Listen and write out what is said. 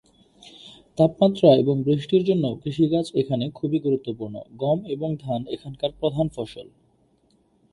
তাপমাত্রা এবং বৃষ্টির জন্যে কৃষিকাজ এখানে খুবই গুরুত্বপূর্ণ; গম এবং ধান এখানকার প্রধান ফসল।